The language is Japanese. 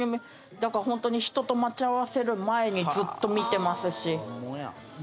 だから本当に人と待ち合わせる前にずっと見てますし。